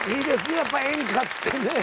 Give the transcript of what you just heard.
やっぱり演歌ってね。